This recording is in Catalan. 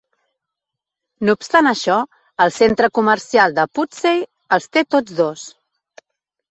No obstant això, el centre comercial de Pudsey els té tots dos.